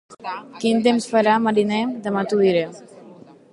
Quin temps farà, mariner? —Demà t'ho diré.